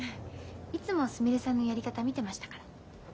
いつもすみれさんのやり方見てましたから。